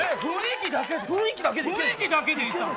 雰囲気だけで出たの。